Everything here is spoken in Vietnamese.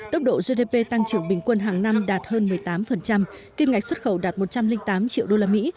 tốc độ gdp tăng trưởng bình quân hàng năm đạt hơn một mươi tám kim ngạch xuất khẩu đạt một trăm linh tám triệu đô la mỹ